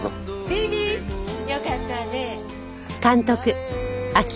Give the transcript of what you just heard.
ビビよかったわね。